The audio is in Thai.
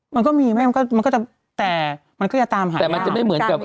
มันก็มีคุณแม่แต่มันก็จะตามหรือ